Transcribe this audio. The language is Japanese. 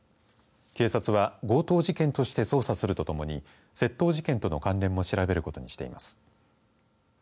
警察は強盗事件として捜査するとともに窃盗事件との関連も調べることにしています。